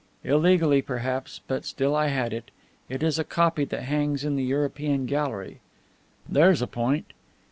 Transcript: Illegally, perhaps, but still I had it. It is a copy that hangs in the European gallery. There's a point.